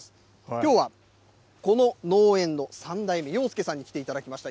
きょうはこの農園の３代目、庸介さんに来ていただきました。